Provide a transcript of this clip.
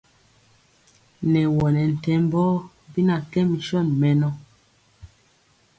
Nɛ wɔ nɛ ntɛmbɔɔ bi na kɛ mison mɛnɔ.